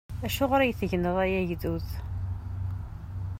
Acuɣeṛ i tegneḍ ay agdud?